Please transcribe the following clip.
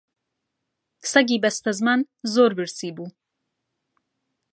سەگی بەستەزمان زۆر برسی بوو